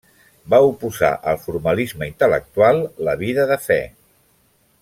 Va oposar al formalisme intel·lectual la vida de fe.